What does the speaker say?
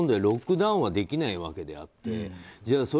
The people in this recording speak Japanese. ロックダウンはできないわけであってじゃあ